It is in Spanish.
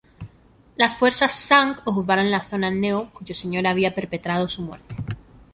Las fuerzas Tsang ocuparon la zona Neu, cuyo señor había perpetrado su muerte.